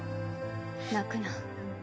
泣くな。